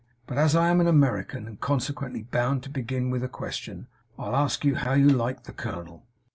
But, as I am an American, and consequently bound to begin with a question, I'll ask you how you like the colonel?